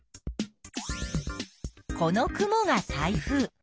この雲が台風。